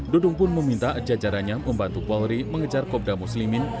dudung pun meminta jajarannya membantu polri mengejar kobda muslimin